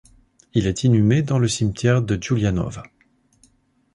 Il est inhumé dans le cimetière de Giulianova.